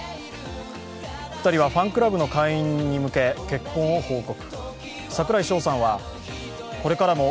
２人はファンクラブの会員に向け、結婚を報告。